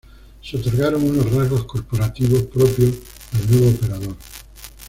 Se otorgaron unos rasgos corporativos propios al nuevo operador.